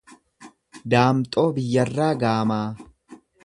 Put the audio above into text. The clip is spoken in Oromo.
Daamxoo Biyyarraa Gaamaa